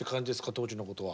当時のことは。